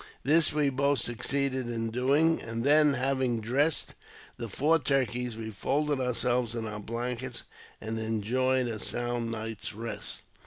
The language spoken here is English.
This we both succeeded in doing, and then, having dressed the four turkeys, we folded ourselves in our blankets, and enjoyed a sound night's rest.